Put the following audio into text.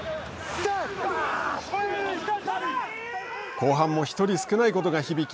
後半も１人少ないことが響き